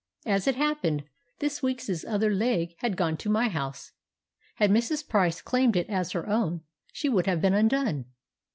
As it happened, this week's other leg had gone to my house. Had Mrs. Price claimed it as her own, she would have been undone.